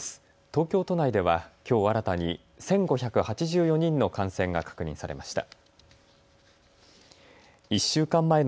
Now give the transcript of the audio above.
東京都内ではきょう新たに１５８４人の感染が確認されました。